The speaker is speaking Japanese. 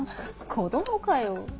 子供かよ。